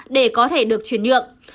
để có thể được chuyển nhượng